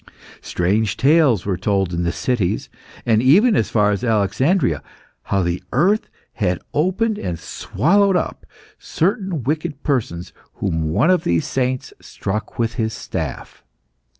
Strange tales were told in the cities, and even as far as Alexandria, how the earth had opened and swallowed up certain wicked persons whom one of these saints struck with his staff.